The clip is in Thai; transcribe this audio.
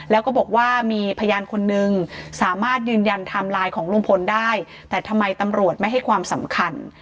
แล้วก็บอกว่ามีพยานคนนึงสามารถยืนยันไทม์ไลน์ของลุงพลได้แต่ทำไมตำรวจไม่ให้ความสำคัญ